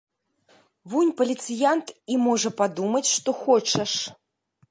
Вунь паліцыянт і можа падумаць што хочаш.